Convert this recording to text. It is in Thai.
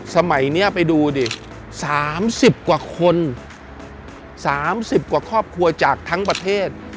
สมัยนี้ไปดูสามสิบกว่าคนสามสิบกว่าครอบครัวจากทั้งประเทศ